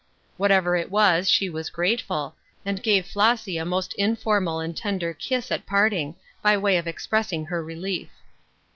Whatever it was she was grateful, and gave Flossy a most informal and tender kiss at part ing, by way of expressing her relief.